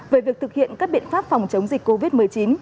về việc thực hiện các biện pháp phòng chống dịch covid một mươi chín